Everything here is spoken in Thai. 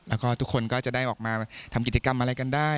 แล้วก็ทุกคนก็จะได้ออกมาทำกิจกรรมอะไรกันได้